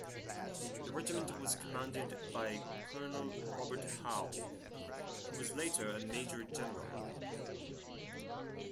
The regiment was commanded by Colonel Robert Howe, who was later a major general.